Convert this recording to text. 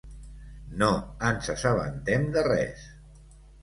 No ens assabentem de res.